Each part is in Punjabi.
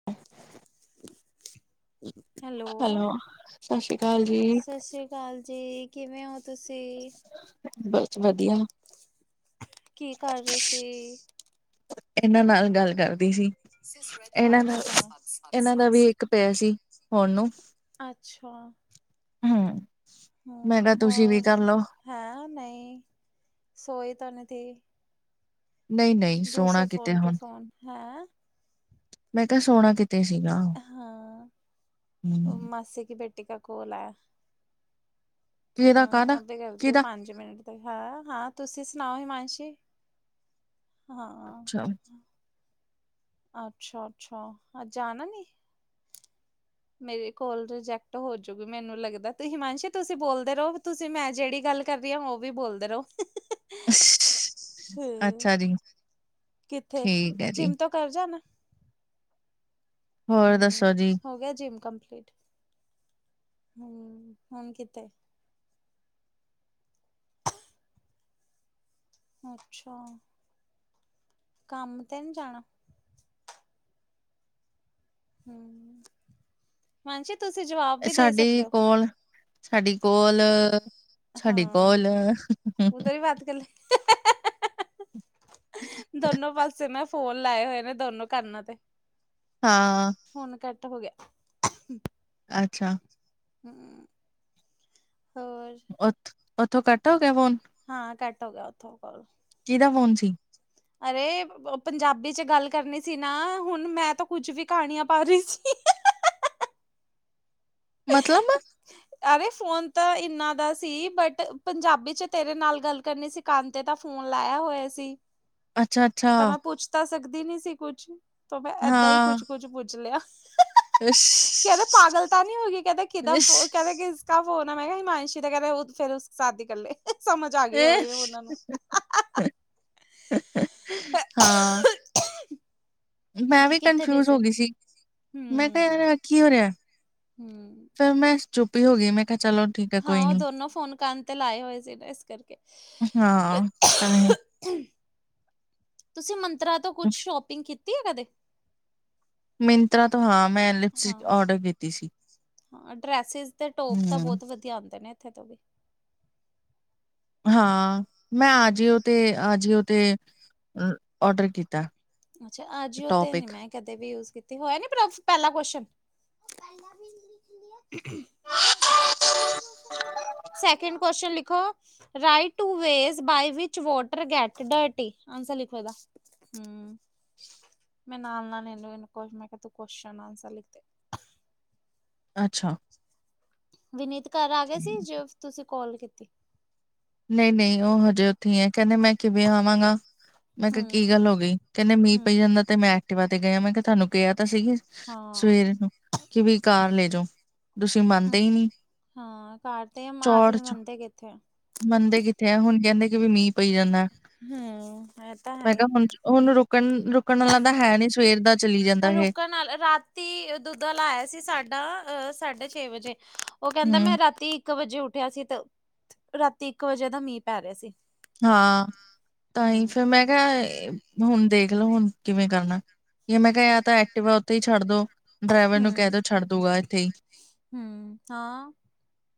[inaudible] ਹੈਲੋ ਸਤਿ ਸ਼੍ਰੀ ਅਕਾਲ ਜੀ, ਸ ਸ੍ਰੀ ਕਾਲ ਜੀ ਕਿਵੇਂ ਹੋ ਤੁਸੀਂ ਬਸ ਵਧੀਆ ਕੀ ਕਰਦੇ ਸੀ ਇਹਨਾਂ ਨਾਲ ਗੱਲ ਕਰਦੀ ਸੀ ਤ ਇਹਨਾਂ ਸਤ ਦਾ ਸਤ ਸਤ। ਇਹਨਾਂ ਦਾ ਵੀ ਇੱਕ [unintelligible] ਪਿਆ ਸੀ ਹੁਣ ਨੂੰ। ਅੱਛਾ। ਹਮ ਹਮ ਹਾਂ ਹੋ ਨਹੀਂ ਸੋਏ ਤਾਂ ਨ ਤੀ ਨਹੀਂ-ਨਹੀਂ ਸੋਣਾ ਦੂਸਰੇ ਕਿਤੇ ਫੋਨ 'ਤੇ ਹੁਣ। ਫੋਨ ਹੈਂ ਮੈਂ ਕਿਹਾ ਸੋਣਾ ਕਿ ਹਾਂ, ਓ ਹੂੰ, ਮਾਸੀ ਕੀ ਬੇਟੀ ਕਾ ਕੋਲ ਐ ਕਿਹਦਾ ਕਾਹਦਾ ਹਾਂ, ਅਭੀ ਕਰਤੀ ਹੂੰ ਕਿਹਦਾ ਪੰਜ ਮਿੰਟ। ਹੈਂ? ਹਾਂ, ਤੁਸੀਂ ਸੁਣਾਓ ਹਿਮਾਂਸ਼ੀ ਹਾਂ ਅੱਛਾ। ਅੱਛਾ, ਅੱਛਾ ਅੱਜ ਜਾਣਾ ਨੀ ਮੇਰੇ ਕੋਲ ਰਿਜੈਕਟ ਹੋ ਚੁੱਕੀ ਲਮੈਨੂੰ ਲੱਗਦਾ। ਤੁਹੀ ਹਿਮਾਂਸ਼ੀ, ਤੁਸੀਂ ਬੋਲਦੇ ਰਹੋ। ਤੁਸੀਂ ਮੈਂ ਜਿਹੜੀ ਗੱਲ ਕਰ ਰਹੀ ਹੈ। [unintelligible] ਉਹ ਵੀ ਬੋਲਦੇ ਰਹੋ। ਹਮ ਅੱਛਾ ਜੀ। ਕਿੱਥੇ ਠੀਕ ਹੈ ਜੀ, ਜਿਮ ਤੋਂ ਕਰ ਜਾਣਾ? ਹੋਰ ਦੱਸੋ ਜੀ, ਹੋ ਗਿਆ ਜਿੰਮ ਕੰਪਲੀਟ ਹੁਣ ਕਿਥੇ? ਅੱਛਾ। ਕੰਮ ਤੇ ਨਹੀਂ ਜਾਣਾ। ਹਿਮਾਂਸ਼ੀ, ਤੁਸੀਂ ਜਵਾਬ ਵੀ ਦੇ ਸਕਦੇ ਹੋ। ਸਾਡੇ ਕੋਲ, ਸਾਡੇ ਕੋਲ। ਗੱਲ। [unintelligible] ਹਮ [unintelligible] [unintelligible] ਦੋਨੋਂ ਪਾਸੇ ਮੈਂ ਫੋਨ ਲਾਏ ਹੋਏ ਨੇ, ਦੋਨੋਂ ਕੰਨਾਂ ਤੇ ਹਾਂ, ਹੁਣ ਕਰ। ਹੋ ਗਿਆ। ਅੱਛਾ। ਹੁ ਹੋਰ। ਉਥ ਉੱਥੋਂ ਕੱਟ ਹੋ ਗਿਆ ਫੋਨ। ਹਾਂ ਕੱਟ ਹੋ ਗਿਆ ਉੱਥੋਂ ਕੋਲ। ਕਿਹਦਾ ਫੋਨ ਸੀ? । [inaudible] ਅਰੇ, ਪੰਜਾਬੀ ਚ ਗੱਲ ਕਰਨੀ ਸੀ ਨਾ ਹੁਣ ਮੈਂ ਤਾਂ ਕੁਝ ਵੀ ਕਹਾਣੀਆਂ ਪਾ ਰਹੀ ਸੀ। ਮਤਲਬ। ਅਰੇ, ਫੋਨ ਤਾਂ ਇਨ੍ਹਾਂ ਦਾ ਸੀ, ਬਟ ਪੰਜਾਬੀ 'ਚ ਤੇਰੇ ਨਾਲ ਗੱਲ ਕਰਨੀ ਸੀ। ਕੰਨ 'ਤੇ ਤਾਂ ਫੋਨ ਲਾਇਆ ਹੋਇਆ ਸੀ। ਅੱਛਾ-ਅੱਛਾ, ਤਾਂ ਮੈਂ ਪੁੱਛ ਤਾਂ ਸਕਦੀ ਨਹੀਂ ਸੀ ਕੁਛ, ਤਾਂ ਮੈਂ ਏਦਾਂ ਹੀ ਹਾਂ। ਕੁਝ-ਕੁਝ ਪੁੱਛ ਲਿਆ। ਕਹਿੰਦੇ, ਪਾਗਲ ਤਾਂ ਨਹੀਂ ਹੋ ਗਈ ਕਹਿੰਦੇ, ਕਿੱਦਾਂ ਫੋਨ? ਕਹਿੰਦੇ, ਕਿਸ ਦਾ ਫੋਨ ਆ? ਮੈਂ ਕਿਹਾ, ਹਿਮਾਸ਼ੀ ਦਾ ਕਹਿਦੇ, ਫਿਰ ਸਾਦੀ ਕਰ ਲੈ। ਸਮਜ ਆ ਗਈ ਹੋਗੀ ਉਹਨਾਂ ਨੂੰ। ਹਾਂ। ਨੂੰ ਮੈਂ ਕਿ ਵੀ ਕਿੱਥੇ ਕਨਫਿਊਜ਼ ਬਿਜ਼ੀ ਹੋ ਗਈ ਸੀ। ਮੈਂ ਕਿਹਾ, ਕੀ ਹੋ ਰਿਹਾ? ਹੁ। ਫੇਰ ਮੈਂ ਚੁੱਪ ਹੀ ਹੋ ਗਈ। ਮੈਂ ਕਿਹਾ, ਚਲੋ। ਠੀਕ ਹੈ ਕੋਈ ਹਾਂ, ਉਹ ਨੀ। ਦੋਨੋਂ ਫੋਨ ਕੰਨ 'ਤੇ ਲਾਏ ਹੋਏ ਸੀ, ਇਸ ਕਰਕੇ। ਹਾਂ, ਤਾਂ ਹੈ। ਤੁਸੀਂ ਮੰਤਰਾ ਤੋਂ ਕੁਝ ਸ਼ਾਪਿੰਗ ਕੀਤੀ ਏ ਕਦੇ? ਮਿੰਤਰਾ ਤੋਂ ਹਾਂ ਮੈਂ। ਹਾਂ, ਲਿਪਸਟਿਕ ਔਡਰ ਕੀਤੀ ਸੀ। ਹਾਂ। ਡਰੈੱਸਿਸ ਤੇ ਟੌਪ ਤਾਂ ਹੂੰ, ਬਹੁਤ ਵਧੀਆ ਆਂਦੇ ਨੇ ਇੱਥੇ ਤੋ ਵੀ। ਹਾਂ ਮੈਂ ਆ ਹੂੰ। ਜਿਓ ਤੇ ਆ ਜਿਓ ਤੇ ਔਡਰ ਕੀਤਾ। ਅੱਛਾ ਆ ਜਿਓ ਤੇ ਟੋਪ ਨੀ ਇੱਕ, ਮੈ। ਕਦੇ ਵੀ ਯੂਜ ਕੀਤੀ ਹੋਇਆ ਨੀ ਪਾਰਭ ਪਹਿਲਾ ਕੁਸ਼ਣ। [unintelligible] ਸੈਕਿੰਡ ਕੋਸ਼ਨ ਲਿਖੋ। Write two ways by which water get ਡਟੀ ਆਨਸਰ ਲਿਖੋ ਇਦਾ ਹਮ। ਮੈਂ ਨਾਲ ਨਾਲ ਇਹ ਨੂੰ ਕੁ ਮੈਂ ਕਿਹਾ ਤੂੰ ਕੁਸ਼ਚਨ ਆਨਸਰ ਲਿਖਦੇ। ਅੱਛਾ। ਵਿਨੀਤ ਘਰ ਆ ਗਏ ਸੀ ਜੇ ਤੁਸੀਂ ਕਾਲ ਕੀਤੀ। ਨਹੀਂ ਨਹੀਂ ਉਹ ਹਜੇ ਉੱਥੇ ਹੈ ਕਹਿੰਦੇ ਜੇ ਮੈਂ ਕਿਵੇਂ ਆਵਾਂਗਾ। ਮੈਂ ਕਿਹਾ ਹੂੰ ਕੀ ਗੱਲ ਹੋ ਗਈ ਕਹਿੰਦੇ ਮੀਂਹ ਹੂੰ ਪਈ ਜਾਂਦਾ ਤੇ ਮੈਂ। ਐਕਟੀਵਾ ਤੇ ਗਏ। ਮੈਂ ਕਿਹਾ ਤੁਹਾਨੂੰ ਕਿਹਾ ਤਾਂ ਸੀ ਹਾਂ। ਸਵੇਰ ਨੂੰ ਕਿ ਵੀ ਕਾਰ ਲੈ ਜਾਓ। ਤੁਸੀਂ ਮੰਨਦੇ ਹੀ ਨਹੀਂ ਹਾਂ ਘਰਦੇ ਚੌੜ ਮਾਰਦੇ ਚ ਮੰਨਦੇ ਕਿੱਥੇ ਆ। ਮੰਨਦੇ ਕਿੱਥੇ ਆ ਹੁਣ ਕਹਿੰਦੇ ਕਿ ਵੀ ਮੀਂਹ ਪਈ ਜਾਂਦਾ। ਹਮ ਇਹ ਤਾਂ ਹੈ ਮੈਂ ਕਿਹਾ ਹੀ। ਹੁਣ ਹੁਣ ਰੁਕਣ ਰੁਕਣ ਵਾਲਾ ਤਾਂ ਹੈ ਨੀ ਸਵੇਰ ਦਾ। ਚਲੀ ਜਾਂਦਾ ਇਹ ਰੁਕਣ ਨਾਲ ਰਾਤੀ ਦੁੱਧਾ ਲਾਇਆ ਸੀ ਸਾਡਾ ਅਹ ਸਾਢੇ ਛੇ ਵਜੇ ਉਹ ਕਹਿੰਦਾ ਮੈਂ ਹੂੰ ਰਾਤੀ ਇੱਕ ਵਜੇ ਉੱਠਿਆ ਸੀ ਤੇ ਰਾਤੀ ਇੱਕ ਵਜੇ ਦਾ ਮੀਂਹ ਪੈ ਰਿਹਾ ਸੀ। ਹਾਂ ਤਾਂ ਹੀ ਹੂੰ ਫਿਰ ਮੈਂ ਕਿਹਾ ਹੁਣ ਦੇਖਲੋ ਹੁਣ ਕਿਵੇਂ ਕਰਨਾ ਜਾ ਮੈਂ ਕਿਹਾ ਤਾਂ ਐਕਟਿਵ ਆ ਉੱਥੇ ਹੀ ਛੱਡ ਦੋ ਡਰਾਈਵਰ ਨੂੰ ਕਹਿ ਦਓ ਛੱਡ ਦੂਗਾ ਇੱਥੇ ਹੀ ਹੂ ਹਾਂ।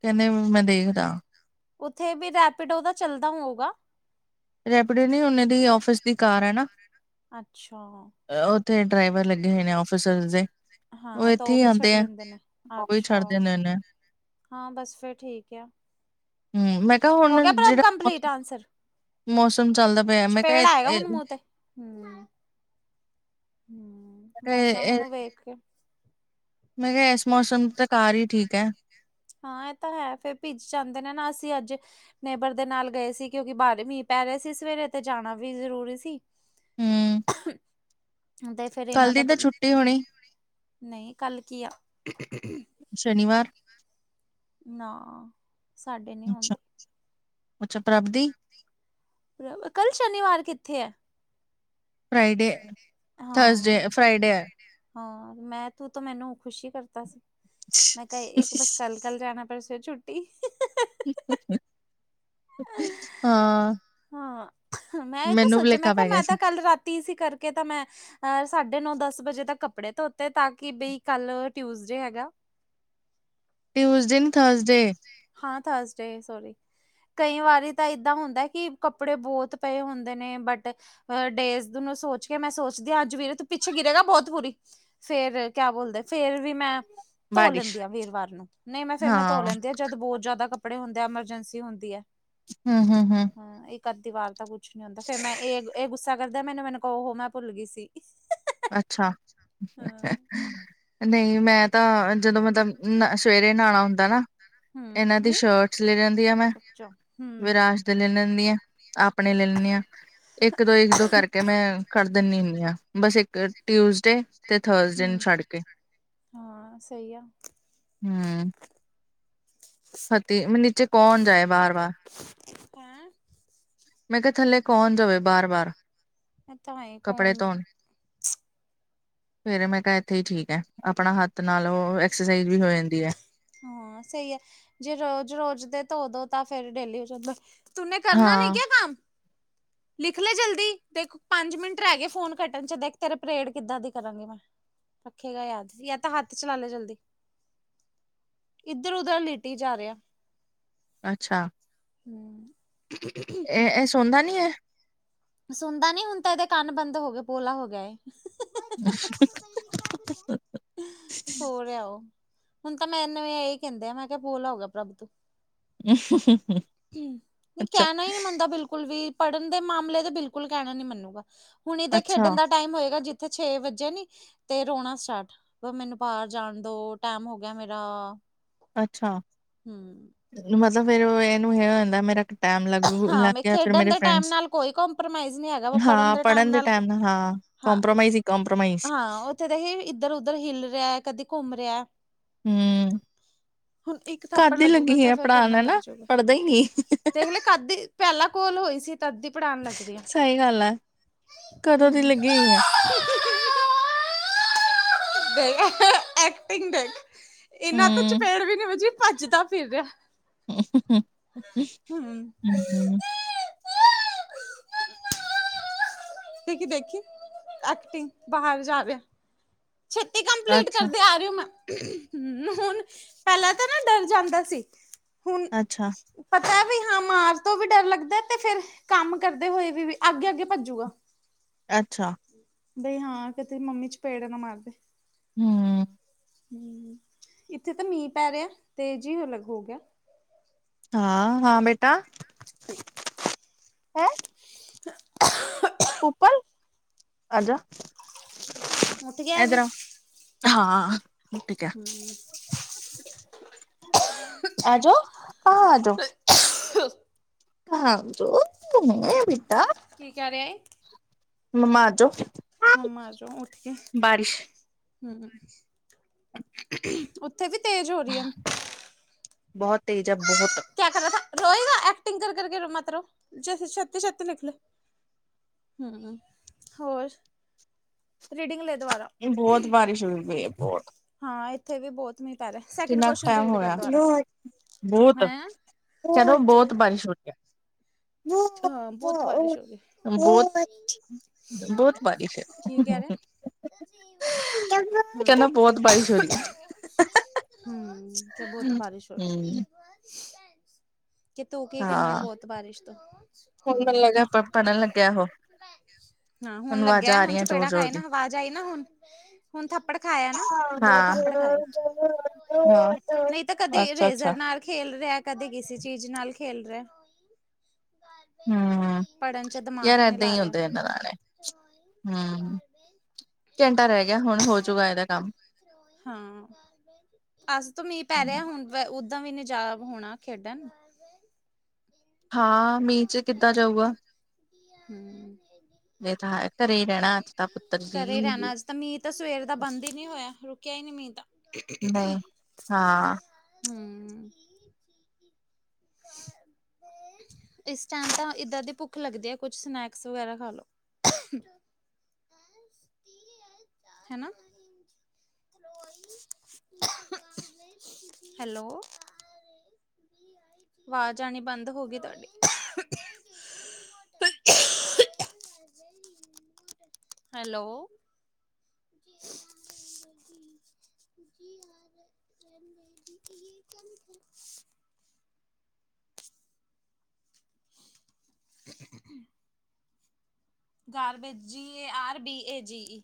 ਕਹਿੰਦੇ ਮੈਂ ਦੇਖਦਾ। ਉੱਥੇ ਵੀ ਰੈਪੀਟੋ ਚੱਲਦਾ ਹੋਊਗਾ ਰੈਪਿਡ ਟੂ ਉਨੇ ਦੀ ਆਫਿਸ ਦੀ ਕਾਰ ਹੈ ਨਾ ਅੱਛਾ। ਉੱਥੇ ਡਰਾਈਵਰ ਲੱਗੇ ਹੋਏ ਨੇ ਆਫਿਸਰ ਦੇ। ਹਾਂ ਤਾਂ ਇੱਥੇ ਉਹ ਹੀ ਵੀ ਛੱਡ ਆਂਦੇ ਆ। ਦਿੰਦੇ ਉਹ ਵੀ ਛੱਡ ਅੱਛਾ ਦਿੰਦੇ ਨੇ, ਹਾਂ ਬਸ ਫਿਰ ਠੀਕ ਹੈ। ਹੂ ਮੈਂ ਕਿਹਾ ਹੁਣ ਜਿਹੜਾ ਕੰਪਲੀਟ ਆਂਸਰ ਮੌਸਮ ਚੱਲਦਾ ਪਿਆ ਮੈਂ ਕਿਹਾ ਹੂ ਹੂ ਮੈਂ ਕਿਹਾ ਮੌਸਮ ਇ ਨੂੰ ਵੇਖ ਕੇ ਮੈਂ ਕਿਹਾ ਇਸ ਮੌਸਮ ਤਾਂ ਕਾਰ ਹੀ ਠੀਕ ਹੈ। ਹਾਂ ਇਹ ਤਾਂ ਹੈ ਫਿਰ ਭਿੱਜ ਜਾਂਦੇ ਨੇ ਨਾ ਅਸੀਂ ਅੱਜ ਨੇਬਰ ਦੇ ਨਾਲ ਗਏ ਸੀ ਕਿਉਂਕਿ ਬਾਹਰ ਮੀਂਹ ਪੈ ਰਹੇ ਸੀ ਸਵੇਰੇ 'ਤੇ ਜਾਣਾ ਵੀ ਜ਼ਰੂਰੀ ਸੀ। ਹੂੰ ਤੇ ਫਿਰ ਇਹਨਾਂ ਕੱਲ ਦੇ ਦੀ ਤਾਂ ਪੁਲ ਛੁੱਟੀ ਹੋਣੀ ਨਹੀਂ ਕੱਲ ਕੀ ਆ ਸ਼ਨੀਵਾਰ ਨਾ ਸਾਡੇ ਨੀ ਅੱਛਾ, ਹੁੰਦੇ ਅੱਛਾ ਪ੍ਰਬਧੀ ਕੱਲ ਸ਼ਨੀਵਾਰ ਕਿੱਥੇ ਹੈ। ਫ੍ਰਈਡੇ ਥਰਸਡੇ ਹਾਂ। ਫ੍ਰਈਡੇ ਆ ਹਾਂ ਮੈਂ ਤੂੰ ਤਾਂ ਮੈਨੂੰ ਖੁਸ਼ੀ ਕਰਤਾ ਸੀ ਮੈਂ ਕਿਹਾ ਇੱਕ ਬਸ ਕੱਲ ਕੱਲ ਜਾਣਾ ਪਰਸੋਂ ਛੁੱਟੀ। ਹਾਂ। ਹਾਂ ਮੈਂ ਇਹ ਤਾਂ ਮੈਨੂੰ ਸੋਚਿਆ ਮੈਂ ਭੁਲੇਖਾ ਕਿਹਾ ਪੈ ਗਿਆ ਮੈਂ ਸੀ, ਤਾਂ ਕੱਲ ਰਾਤੀ ਸੀ ਕਰਕੇ ਤਾਂ ਮੈਂ ਸਾਡੇ ਨੋ ਦਸ ਵਜੇ ਤੱਕ ਕੱਪੜੇ ਧੋਤੇ ਤਾਂ ਕਿ ਬਈ ਕੱਲ ਟਿਊਸਡੇ ਹੈਗਾ। ਟਿਊਜ਼ਡੇ ਨਹੀ ਥਰਸਡੇ ਹਾਂ ਥਰਸਡੇ ਸੋਰੀ ਕਈ ਵਾਰੀ ਤਾਂ ਏਦਾਂ ਹੁੰਦਾ ਕਿ ਕੱਪੜੇ ਬਹੁਤ ਪਏ ਹੁੰਦੇ ਨੇ ਬਟ ਅਹ ਡੇਜ਼ੂ ਨੂੰ ਸੋਚ ਕੇ ਮੈਂ ਸੋਚਦੀ ਹਾਂ ਅੱਜ ਵੀਰ ਤੂੰ ਪਿੱਛੇ ਗਿਰੇਗਾ ਬਹੁਤ ਬੂਰੀ ਫਿਰ ਕਿਆ ਬੋਲਦੇ ਫਿਰ ਵੀ ਮੈਂ ਧੋ ਬਾਰਿਸ਼ ਲੈਂਦੀ ਹਾਂ ਵੀਰਵਾਰ ਨੂੰ ਨਹੀਂ ਮੈਂ ਫਿਰ ਮੈਂ ਧੋ ਲੈਂਦੀ ਹਾਂ। ਜਦ ਬਹੁਤ ਜਿਆਦਾ ਕੱਪੜੇ ਹੁੰਦੇ ਆ ਐਮਰਜੰਸੀ ਹੁੰਦੀ ਹੈ। ਹੂ ਹੂ ਹੂ ਇੱਕ ਅੱਧੀ ਵਾਰ ਤਾਂ ਕੁਛ ਨੀ ਹੁੰਦਾ ਫਿਰ ਮੈਂ ਇਹ ਇਹ ਗੁੱਸਾ ਤਾ ਕਰਦਾ ਮੈਨੂੰ ਮੈਨੂੰ ਕੋਲ ਉਹ ਮੈਂ ਭੁੱਲ ਗਈ ਸੀ। ਅੱਛਾ। ਹੂੰ ਨਹੀਂ ਮੈਂ ਤਾਂ ਜਦੋਂ ਮਤਲਬ ਸਵੇਰੇ ਨਹਾਣਾ ਹੁੰਦਾ ਨਾ ਹਮ ਇਹਨਾਂ ਦੀ ਨ ਸ਼ਰਟਸ ਲੈ ਲੈਂਦੀ ਆ ਮੈਂ ਹਮ [unintelligible] ਵਿਰਾਜ ਲੈ ਲੈਂਦੀਾਂ [unintelligible] ਆਪਣੇ ਲੈ ਲਿਨੀ ਆ ਇੱਕ ਦੋ ਇੱਕ ਦੋ ਕਰਕੇ ਮੈਂ ਕਡ ਦਿੰਨੀ ਹੁੰਨੀ ਹਾਂ ਬਸ ਇੱਕ ਟਿਊਜ਼ਡੇ ਤੇ ਥਰਸਡੇ ਨੂੰ ਛੱਡ ਕੇ ਹਾਂ ਸਹੀ ਆ ਰਾਤੀ ਨਿਚੇ ਕੌਣ ਜਾਏ ਬਾਰ ਬਾਰ ਕਣ [unintelligible] ਮੈਂ ਕਿਹਾ ਥੱਲੇ ਕੌਨ ਜਾਵੇ ਬਾਰ ਬਾਰ ਇਹ ਤਾਂ ਹੈ ਕੱਪੜੇ ਕੌਣ ਧੋਣ ਫੇਰ ਮੈਂ ਕਿਹਾ ਇੱਥੇ ਹੀ ਠੀਕ ਹੈ। ਆਪਣਾ ਹੱਥ ਨਾਲ ਉਹ ਐਕਸਰਸਾਈਜ਼ ਵੀ ਹੋ ਜਾਂਦੀ ਹੈ। ਹਾਂ ਸਹੀ ਹੈ। ਜੇ ਰੋਜ਼-ਰੋਜ਼ ਦੇ ਧੋ ਦੋ ਤਾਂ ਫੇਰ ਡੇਲੀ ਹੋ ਜਾਂਦਾ ਤੂੰਨੇ ਕਰਨਾ ਨਹੀ ਹਾਂ ਕਿਆ ਕਾਮ ਲਿਖ ਲੇ ਜਲਦੀ ਦੇਖ ਪੰਜ ਮਿੰਟ ਰਹਿ ਗਏ ਫੋਨ ਕੱਟਣ ਚ ਦੇਖ ਤੇਰੇ ਪਰੇਡ ਕਿੱਦਾਂ ਦੀ ਕਰਾਂਗੀ ਮੈਂ ਰਖੇਗਾ ਯਾਦ ਯਾ ਤਾਂ ਹੱਥ ਚਲਾ ਲੈ ਜਲਦੀ ਇੱਧਰ ਉਧਰ ਲੇਟੀ ਜਾ ਰਿਹਾ ਅੱਛਾ [unintelligible] ਇਹ ਇਹ ਸੌਦਾ ਨਹੀਂ ਹੈ। ਸੁਣਦਾ ਨੀ ਹੁਣ ਤਾਂ ਇਹਦੇ ਕੰਨ ਬੰਦ ਹੋ ਗਿਆ ਬੋਲਾ ਹੋ ਗਿਆ ਏ [inaudible] [inaudible] ਸੋ ਰਿਹਾ ਉਹ ਹੁਣ ਤਾਂ ਮੈਂ ਇਹਨੂੰ ਇਹੀ ਕਹਿੰਦੇ ਆ ਮੈਂ ਕਿਹਾ ਬੋਲਾ ਹੋਗਾ ਪ੍ਰਭੂ ਤੂੰ ਹਮ ਨਹੀਂ ਅੱਛਾ ਕਹਿਣਾ ਹੀ ਨਹੀਂ ਮਨਦਾ ਬਿਲਕੁਲ ਵੀ ਪੜ੍ਹਨ ਦੇ ਮਾਮਲੇ ਤੇ ਬਿਲਕੁਲ ਕਹਿਣਾ ਨੀ ਮੰਨੂਗਾ ਹੁਣ ਇਹਦੇ ਖੇਡਣ ਅੱਛਾ, ਦਾ ਟਾਈਮ ਹੋਏਗਾ ਜਿੱਥੇ ਛੇ ਵੱਜੇ ਨੀ। ਤੇ ਰੋਣਾ ਸਟਾਰਟ ਮੈਨੂੰ ਬਾਹਰ ਜਾਣ ਦਾ ਟੈਮ ਹੋ ਗਿਆ ਮੇਰਾ ਅੱਛਾ। ਹਮ। ਮਤਲਬ ਫੇਰ ਇਹਨੂੰ ਹੈ ਹੁੰਦਾ ਮੇਰਾ ਟਾਈਮ ਲੱਗੂ ਲੱਗ ਹਾਂ। ਗਿਆ ਫਿਰ ਖੇਡਣ ਮੇਰੇ ਦੇ ਟਾਈਮ ਫਰੈਂਡਸ ਨਾਲ ਕੋਈ ਕੰਪ੍ਰੋਮਾਈਜ਼ ਨਹੀਂ ਹੈਗਾ ਵ ਪੜ੍ਹਨ ਹਾਂ ਦੇ ਟਾਈਮ ਨਾਲ ਹਾਂ ਹਾਂ ਕੰਪ੍ਰੋਮਾਈਜ਼ ਹੀ - ਕੰਪ੍ਰੋਮਾਈਜ਼ ਹਾਂ ਉੱਥੇ ਤਾਂ ਹੀ ਇੱਧਰ ਉਧਰ ਹਿਲ ਰਿਹਾ ਕਦੇ ਘੁੰਮ ਰਿਹਾ ਹਮ। ਹੁਣ ਇੱਕ ਥੱਪੜ ਲੱਗੂਗਾ ਤੇ ਫਿਰ ਕਰਨੇ ਲੱਗ ਜੂਗਾ। ਨਹੀਂ - ਨਹੀਂ [inaudible] ਅੱਧ ਦੀ ਪੜ੍ਹਾਉਣ ਲੱਗਦੀ ਆ ਸਹੀ ਗੱਲ ਹੈ ਕਦੋਂ ਦੀ ਲੱਗੀ ਹੋਈ ਹੈ ਹ ਐਕਟਿੰਗ ਦੇਖ। ਇਹਨਾਂ ਤੋਂ ਹੂੰ। ਚਪੇੜ ਵੀ ਨੀ ਵਜੀ ਭੱਜਦਾ ਫਿਰ ਰਿਹਾ। ਹੂੰ। ਹਮ -ਹਮ ਦੇਖੀ-ਦੇਖੀ ਐਕਟਿੰਗ ਬਾਹਰ ਜਾਵੇ। ਛੇਤੀ ਕੰਪਲੀਟ ਅੱਛਾ, ਕਰਦੇ ਆ ਰਹੀ ਹੋ ਮੈਂ ਹਮ ਹੁਣ ਪਹਿਲਾਂ ਤਾਂ ਨਾ ਡਰ ਜਾਂਦਾ ਸੀ ਹੁਣ ਅੱਛਾ, ਪਤਾ ਵੀ ਹਾਂ ਮਾਰ ਤੋਂ ਵੀ ਡਰ ਲੱਗਦਾ ਤੇ ਫੇਰ ਕੰਮ ਕਰਦੇ ਹੋਏ ਵੀ ਅੱਗੇ ਅੱਗੇ ਭੱਜੂਗਾ। ਅੱਛਾ। ਬਈ ਹਾਂ ਕਿਤੇ ਮੰਮੀ ਚਪੇੜ ਨਾ ਮਾਰਦੇ। ਹਮ ਹਮ। ਇੱਥੇ ਤਾਂ ਮੀਂਹ ਪੈ ਰਿਹਾ ਤੇ ਜੀ ਅਲੱਗ ਹੋ ਗਿਆ ਹਾਂ - ਹਾਂ ਬੇਟਾ [inaudible] ਹੈਂ। [inaudible] ਉਪਲ ਆਜਾ਼ ਉੱਠ ਗਿਆ ਇਹ ਇਧਰ ਵੀ ਆ ਹਾਂ ਠੀਕ ਹੈ। ਆਜੋ- ਆਜੋ ਹੱਥ ਦੋ ਹਾਂ ਬੇਟਾ ਕੀ ਕਹਿ ਰਿਹਾ ਏ? ਮਮਾ ਆਜੋਂ ਮਮਾ ਅਜੋ ਉੱਠ ਕੇ ਹਮ ਉਤੇ ਵੀ ਤੇਜ ਹੋ ਰੀ ਏ ਬਹੁਤ ਤੇਜ ਆ ਬੋਤ ਕਿਆ ਕਰ ਰੋਏਗਾ ਐਕਟਿੰਗ ਕਰ ਕਰਕੇ ਮਤ ਰੋ ਚਲ ਛੱਤੀ ਛੱਤੀ ਲਿੱਖ ਲੋ। ਹੂੰ। ਹੋਰ ਰੀਡਿੰਗ ਲੇ ਦੁਬਾਰਾ ਨਹੀਂ ਬੋਤ ਬਾਰਿਸ਼ ਹੋਈ ਪਈ ਬੋਤ ਹਾਂ। ਇੱਥੇ ਵੀ ਬੋਤ ਮੀਂਹ ਪੈ ਰਿਹਾ ਸੈਕਿੰਡ ਕਿੰਨਾ ਕੁ ਕੋਸ਼ਚਨ ਟਾਈਮ ਰੀਡ ਕਰ ਹੋਇਆ ਦੁਬਾਰਾ ਬਹੁਤ ਹੈਂ ਚਲੋ ਬੋਤ ਬਾਰਿਸ਼ ਹੋ ਰਹੀ ਐ। [unintelligible] ਹਾਂ ਬਹੁਤ ਬਾਰਿਸ਼ ਹੋ ਰਹੀ ਬੋਤ ਬਾਰਿਸ਼ ਏ। [inaudible] ਕੀ ਕਹਿ ਰਹੇ [inaudible] ਕਹਿੰਦਾ ਬਹੁਤ ਬਾਰਿਸ਼ ਹੋ ਰਹੀ ਏ। ਹੂੰ ਤੇ ਬੋਤ ਬਾਰਿਸ਼ ਹੋ ਹੈ ਰਹੀ। ਹੂੰ ਕਿ ਤੂੰ ਕੀ ਕਹਨਾ ਬੋਤ ਬਾਰਿਸ਼ ਤੋਂ ਹਣ ਮਨ ਹਮ ਲੱਗਿਆ ਪੜ੍ਹਨ ਲੱਗਿਆ ਉਹ ਹਾਂ ਹੁਨ ਹੁਣ ਆਵਾਜ਼ਾਂ ਲੱਗਿਆ ਆ ਹੁਨ ਰਹੀਆਂ ਜ਼ੋਰ ਚਪੇੜਾਂ ਜ਼ੋਰ ਖਾਏ ਦੀ ਨਾ ਆਵਾਜ਼ ਆਈ ਨਾ ਹੁਨ ਹੁਣ ਥੱਪੜ ਖਾਇਆ ਨਾ ਦੋ ਹਾਂ ਥੱਪੜ ਖਾਏ ਨਈ ਤਾਂ ਕਦੇ ਅੱਛਾ ਅੱਛਾ ਰੇਜ਼ਰ ਨਾਲ ਖੇਲ ਰਿਹਾ ਕਦੇ ਕਿਸੀ ਚੀਜ਼ ਨਾਲ ਖੇਲ ਰਿਹਾ। ਹਾਂ -ਹਾਂ ਪੜ੍ਹਨ ਚ ਯਾਰ ਦਿਮਾਗ ਹੀ ਨਹੀਂ ਏਦਾਂ ਲਾ ਈ ਰਿਹਾ ਹੁੰਦੇ ਇਹਨਾ ਨਾਲੇ ਹੂੰ। ਘੰਟਾ ਰਹੇ ਗਿਆ ਹੁਨ ਹੋਜੂਗਾ ਏਦਾ ਕੰਮ ਹਾਂ ਅੱਜ ਤੋਂ ਮੀਂਹ ਪੈ ਹਮ, ਰਿਹਾ ਹੁਣ ਓਦਾਂ ਵੀ ਨੀ ਜਾ ਹੋਣਾ ਖੇਡਣ ਹਾਂ ਮੀਂਹ 'ਚ ਕਿੱਦਾਂ ਜਾਊਗਾ। ਹੂੰ ਇਹ ਤਾਂ ਹੈ ਘਰੇ ਹੀ ਰਹਿਣਾ ਅੱਜ ਤਾਂ ਪੁੱਤਰ ਘਰੇ ਜੀ ਰਹਿਨਾ ਅੱਜ ਤਾਂ ਮੀਂਹ ਤਾਂ ਸਵੇਰ ਦਾ ਬੰਦ ਈ ਨਈ ਹੋਇਆ। ਕੇ ਨੀ ਮੀਂਹ ਤਾਂ ਨਹੀਂ [inaudible] ਹਾਂ ਹੂੰ ਇਸ ਟੇਮ ਤਾਂ ਇਦਾਂ ਦੀ ਭੁੱਖ ਲੱਗਦੀ ਆ ਕੁੱਚ ਸਨੈਕਸ ਵਗੈਰਾ ਖਾਲੋ। ਹੈਨਾ ਹੈਲੋ [inaudible] ਆਵਾਜ਼ ਆਨੀ ਬੰਦ ਹੋ ਗੀ ਤੁਹਾਡੀ ਹੈਲੋ [inaudible] [inaudible] ਗਾਰ ਬੇ ਜੀ ਏ ਆਰ ਬੀ ਏ ਜੀ